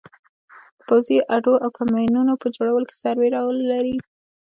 د پوځي اډو او کمینونو په جوړولو کې سروې رول لري